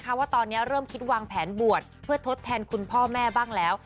ว่าตอนนี้เริ่มคิดวางแผนบวชเพื่อทดแทนคุณพ่อแม่บ้างแล้ว